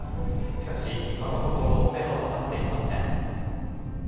しかし、今のところめどは立っていません。